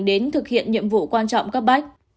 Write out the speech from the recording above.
đến thực hiện nhiệm vụ quan trọng các bách